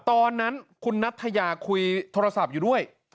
ตอนนั้นคุณนัทยาคุยโทรศัพท์อยู่ด้วย